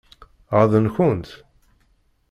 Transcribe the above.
Ɣaḍen-kent?